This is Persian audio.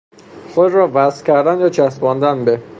خود را وصل کردن یا چسباندن به